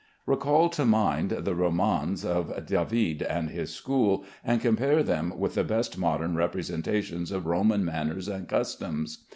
Recall to mind the Romans of David and his school, and compare them with the best modern representations of Roman manners and customs.